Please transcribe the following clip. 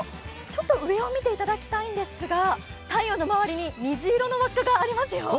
ちょっと上を見ていただきたいんですが太陽の周りに虹色の輪っかがありますよ。